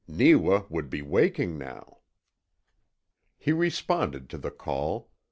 NEEWA WOULD BE WAKING NOW! He responded to the call.